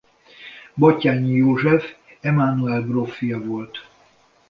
Batthyány József Emánuel gróf fia volt.